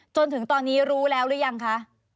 จนถึงตอนนี้รู้แล้วหรือยังคะ